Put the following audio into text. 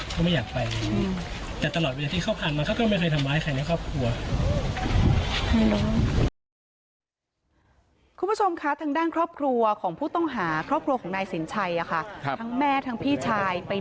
เขามีพฤติการแบบนี้มาก่อนว่ะไปทำลายนี่